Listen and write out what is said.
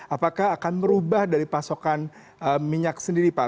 apakah akan merubah dari pasokan minyak sendiri pak